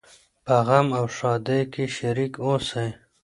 په غم او ښادۍ کي شريک اوسئ.